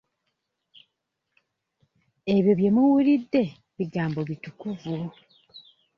Ebyo bye muwulidde bigambo bitukuvu.